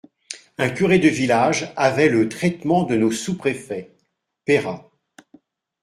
Un curé de village avait le traitement de nos sous-préfets (Peyrat).